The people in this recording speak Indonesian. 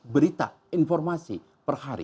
berita informasi per hari